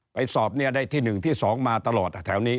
ไปสอบได้ที่๑ที่๒มาตลอดแถวนี้